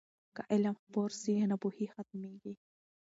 که علم خپور سي، ناپوهي ختمېږي.